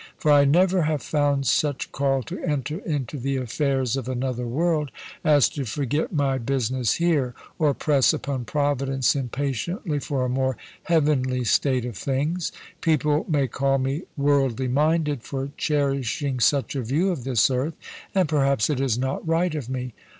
For I never have found such call to enter into the affairs of another world, as to forget my business here, or press upon Providence impatiently for a more heavenly state of things. People may call me worldly minded for cherishing such a view of this earth; and perhaps it is not right of me.